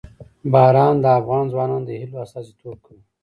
باران د افغان ځوانانو د هیلو استازیتوب کوي.